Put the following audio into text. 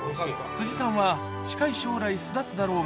辻さんは近い将来、巣立つだろう